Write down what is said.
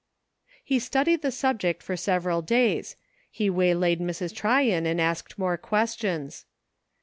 He studied the subject for several days ; he way laid Mrs. Tryon and asked more questions.